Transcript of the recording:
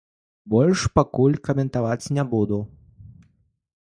Больш пакуль каментаваць не буду.